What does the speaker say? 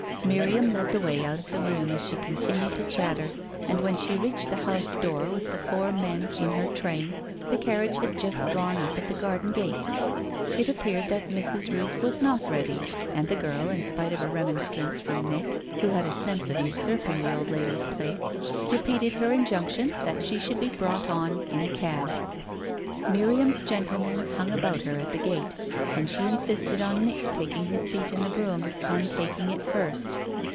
Miriam led the way out of the room as she continued to chatter, and when she reached the house door with the four men in her train the carriage had just drawn up at the garden gate. It appeared that Mrs. Rooth was not ready, and the girl, in spite of a remonstrance from Nick, who had a sense of usurping the old lady's place, repeated her injunction that she should be brought on in a cab. Miriam's gentlemen hung about her at the gate, and she insisted on Nick's taking his seat in the brougham and taking it first.